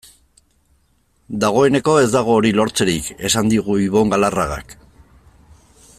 Dagoeneko ez dago hori lortzerik, esan digu Ibon Galarragak.